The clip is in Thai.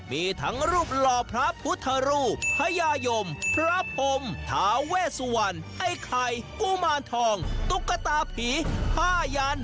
มีทั้งรูปหล่อพระพุทธรูปพญายมพระพรมทาเวสวรรณไอ้ไข่กุมารทองตุ๊กตาผี๕ยัน